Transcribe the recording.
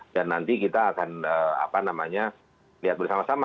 dan nanti kita akan lihat bersama sama